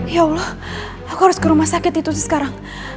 ya allah aku harus ke rumah sakit itu sekarang